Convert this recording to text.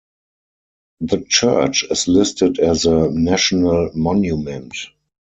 The church is listed as a National Monument.